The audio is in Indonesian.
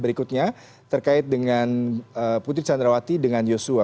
berikutnya terkait dengan putri candrawati dengan yosua